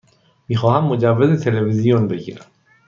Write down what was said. می خواهم مجوز تلویزیون بگیرم.